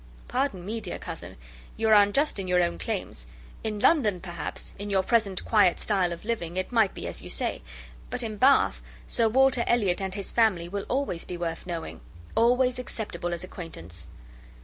"Pardon me, dear cousin, you are unjust in your own claims. In London, perhaps, in your present quiet style of living, it might be as you say: but in Bath; Sir Walter Elliot and his family will always be worth knowing: always acceptable as acquaintance."